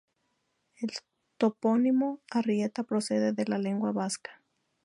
El topónimo "Arrieta" procede de la lengua vasca.